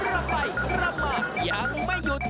รำลับยังไม่หยุด